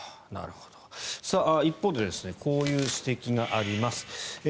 一方でこうした指摘があります。